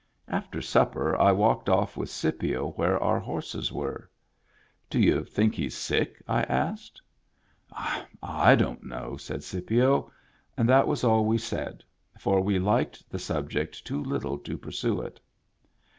After supper I walked off with Scipio where our horses were. " Do you think he's sick ?" I asked. "I don't know," said Scipio. And that was all we said, for we liked the subject too little to pursue it.